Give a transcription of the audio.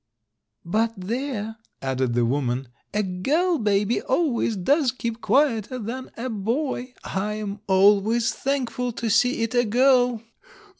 "But there," added the woman, "a girl baby always does keep quieter than a boy — I'm always thankful to see it a girl.